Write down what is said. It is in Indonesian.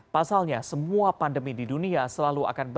pasalnya semua pandemi di dunia